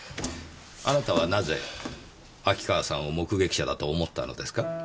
あなたはなぜ秋川さんを目撃者だと思ったのですか？